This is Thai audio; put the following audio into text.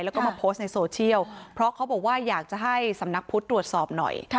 แล้วก็มาโพสต์ในโซเชียลเพราะเขาบอกว่าอยากจะให้สำนักพุทธตรวจสอบหน่อย